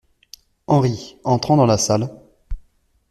HENRI, entrant dans la salle.